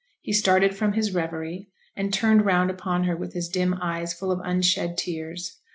He started from his reverie, and turned round upon her with his dim eyes full of unshed tears.